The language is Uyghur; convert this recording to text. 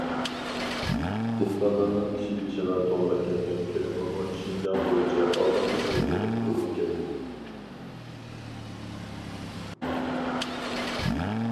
دېھقانلارنىڭ كىشى بېشىغا توغرا كەلگەن كىرىمىمۇ شىنجاڭ بويىچە ئالدىنقى سەۋىيەدە تۇرۇپ كەلدى.